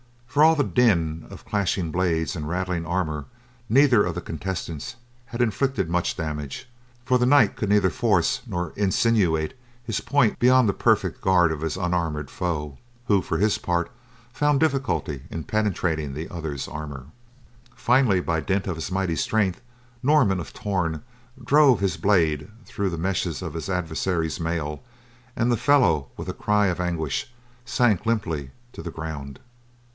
For all the din of clashing blades and rattling armor, neither of the contestants had inflicted much damage, for the knight could neither force nor insinuate his point beyond the perfect guard of his unarmored foe, who, for his part, found difficulty in penetrating the other's armor. Finally, by dint of his mighty strength, Norman of Torn drove his blade through the meshes of his adversary's mail, and the fellow, with a cry of anguish, sank limply to the ground.